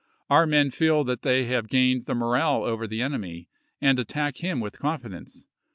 Our men feel that they have gained the morale over the enemy, and attack him with confidence.